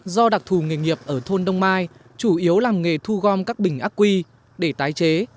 do đặc thù nghề nghiệp ở thôn đông mai chủ yếu làm nghề thu gom các bình ác quy để tái chế